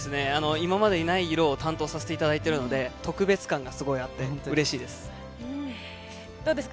今までにない色を担当させていただいているので、特別感がすごいどうですか？